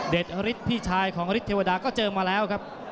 เด็ดฮริชทธิวดาพี่ชัยของฮริชทธิวดาก็เจอมาแล้วครับ